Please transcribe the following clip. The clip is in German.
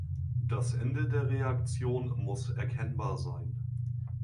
Das Ende der Reaktion muss erkennbar sein.